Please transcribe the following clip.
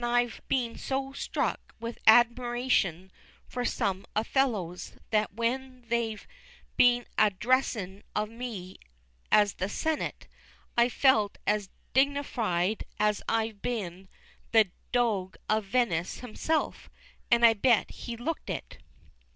I've been so struck with admirashun for some Othellos, that when they've been a addressin' of me as the sennit, I've felt as dignerfied as if I'd been the Doag of Venice hisself, and I bet he looked it.